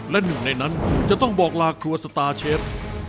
และหนึ่งในนั้นจะต้องบอกลาครัวสตาร์เชฟ